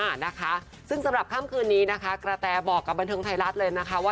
นะคะซึ่งสำหรับค่ำคืนนี้นะคะกระแตบอกกับบันเทิงไทยรัฐเลยนะคะว่า